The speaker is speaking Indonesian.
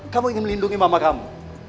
kamu ingin melindungi mama kamu